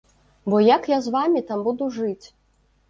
Бо як я з вамі там буду жыць.